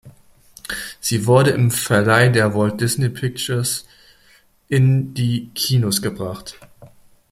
Sie wurde im Verleih der Walt Disney Pictures in die Kinos gebracht.